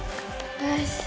よし。